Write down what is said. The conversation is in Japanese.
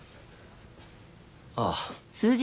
ああ。